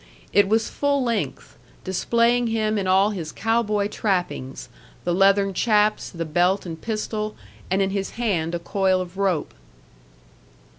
It was full length, displaying him in all his cow boy trappings, the leathern chaps, the belt and pistol, and in his hand a coil of rope.